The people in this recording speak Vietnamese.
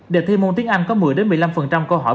đề thi môn tiếng anh có một mươi một mươi năm câu hỏi